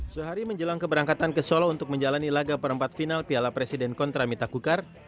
sehari menjelang keberangkatan ke solo untuk menjalani laga perempat final piala presiden kontra mita kukar